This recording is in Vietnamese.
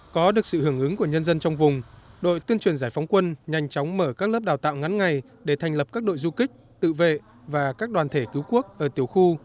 có được sự hưởng ứng của nhân dân trong vùng đội tuyên truyền giải phóng quân nhanh chóng mở các lớp đào tạo ngắn ngày để thành lập các đội du kích tự vệ và các đoàn thể cứu quốc ở tiểu khu